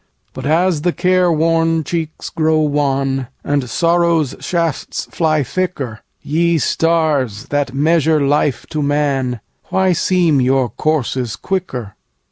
But as the care worn cheeks grow wan, And sorrow's shafts fly thicker, Ye Stars, that measure life to man, Why seem your courses quicker?